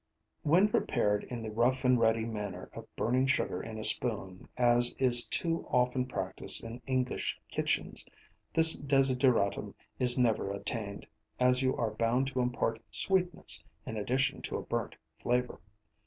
When prepared in the rough and ready manner of burning sugar in a spoon, as is too often practised in English kitchens, this desideratum is never attained, as you are bound to impart sweetness in addition to a burnt flavour.